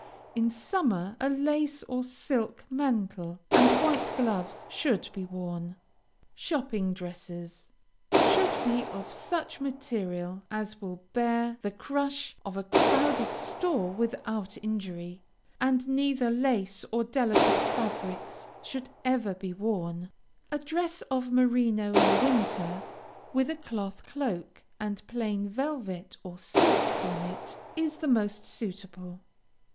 In summer, a lace or silk mantle and white gloves should be worn. SHOPPING DRESSES Should be of such material as will bear the crush of a crowded store without injury, and neither lace or delicate fabrics should ever be worn. A dress of merino in winter, with a cloth cloak and plain velvet or silk bonnet is the most suitable.